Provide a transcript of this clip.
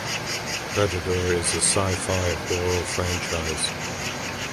Predator is a sci-fi horror franchise.